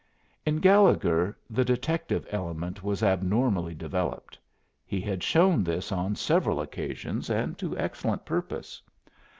In Gallegher the detective element was abnormally developed. He had shown this on several occasions, and to excellent purpose.